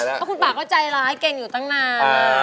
เพราะคุณป่าก็ใจร้ายเก่งอยู่ตั้งนาน